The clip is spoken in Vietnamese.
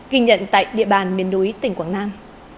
ghi nhận tại địa bàn miền núi tỉnh quảng nam